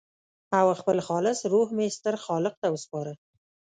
او خپل خالص روح مې ستر خالق ته وسپاره.